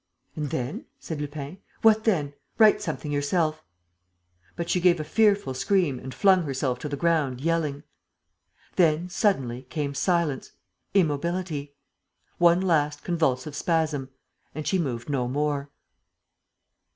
"And then?" said Lupin. "What then? ... Write something yourself." But she gave a fearful scream and flung herself to the ground, yelling. Then, suddenly, came silence, immobility. One last convulsive spasm. And she moved no more.